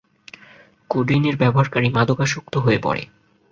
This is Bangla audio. কোডেইনের ব্যবহারকারী মাদকাসক্ত হয়ে পড়ে।